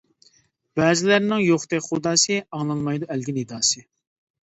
بەزىلەرنىڭ يوقتەك خۇداسى، ئاڭلانمايدۇ ئەلگە نىداسى.